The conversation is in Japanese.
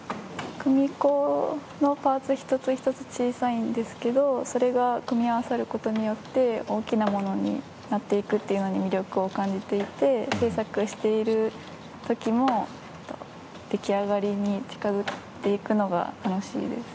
組子のパーツ一つ一つ小さいんですけどそれが組み合わさることによって大きなものになっていくっていうのに魅力を感じていて制作しているときも出来上がりに近づいていくのが楽しいです。